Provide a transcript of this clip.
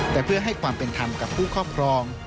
แต่เพื่อให้ความเป็นธรรมกับผู้ครอบครอง